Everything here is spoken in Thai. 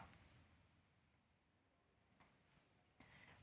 นายุทธชัยสุนทองรัตนาเวช